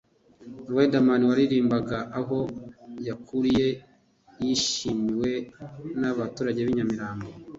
Riderman waririmbiraga aho yakuriye yishimiwe nabaturage b'i Nyamirambo